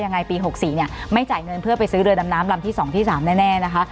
ปี๖๔เนี่ยไม่จ่ายเงินเพื่อไปซื้อเรือดำน้ำลำที่๒ที่๓แน่นะคะ